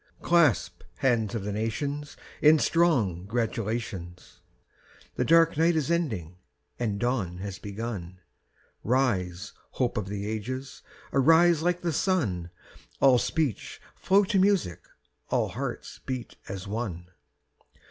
Clasp hands of the nations In strong gratulations: The dark night is ending and dawn has begun; Rise, hope of the ages, arise like the sun, All speech flow to music, all hearts beat as one!